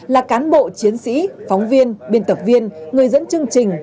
là cán bộ chiến sĩ phóng viên biên tập viên người dẫn chương trình